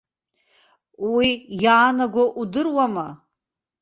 Уи иаанаго удыруама?